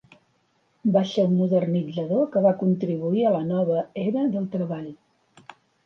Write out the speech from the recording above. Va ser un modernitzador que va contribuir a la nova era del treball.